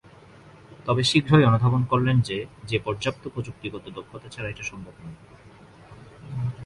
তবে, শীঘ্রই অনুধাবন করলেন যে যে পর্যাপ্ত প্রযুক্তিগত দক্ষতা ছাড়া এটা সম্ভব না।